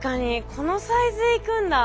このサイズ行くんだ。